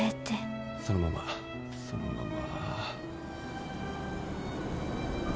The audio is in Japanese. そのままそのまま。